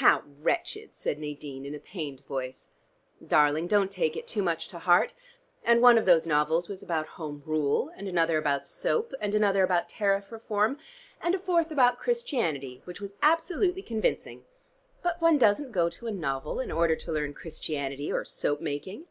"How wretched!" said Nadine in a pained voice. "Darling, don't take it too much to heart. And one of those novels was about Home Rule and another about Soap, and another about Tariff Reform, and a fourth about Christianity, which was absolutely convincing. But one doesn't go to a novel in order to learn Christianity, or soap making.